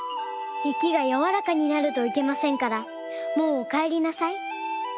雪がやわらかになるといけませんからもうおかえりなさい。